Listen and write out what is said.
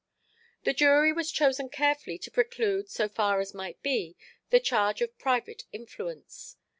The jury was chosen carefully to preclude, so far as might be, the charge of private influence.